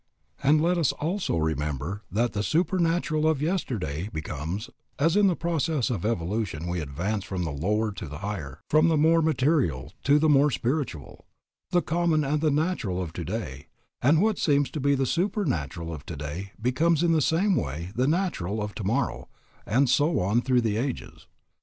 And let us also remember that the supernatural of yesterday becomes, as in the process of evolution we advance from the lower to the higher, from the more material to the more spiritual, the common and the natural of today, and what seems to be the supernatural of today becomes in the same way the natural of tomorrow, and so on through the ages.